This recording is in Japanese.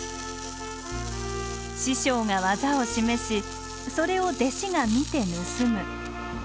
師匠が技を示しそれを弟子が見て盗む。